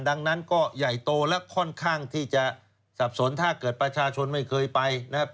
ดังนั้นก็ใหญ่โตและค่อนข้างที่จะสับสนถ้าเกิดประชาชนไม่เคยไปนะครับ